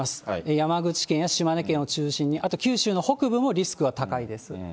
山口県や島根県を中心に、あと九州の北部もリスクが高いです。